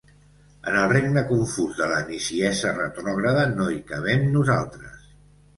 En el regne confús de la niciesa retrògrada no hi cabem, nosaltres.